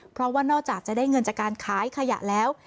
เพราะว่านอกจากจะได้เงินจากการขายขยะแล้ว